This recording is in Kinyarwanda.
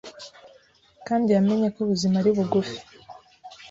kandi yamenye ko ubuzima ari bugufi